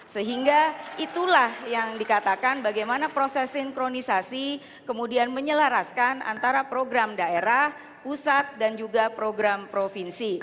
sehingga itulah yang dikatakan bagaimana proses sinkronisasi kemudian menyelaraskan antara program daerah pusat dan juga program provinsi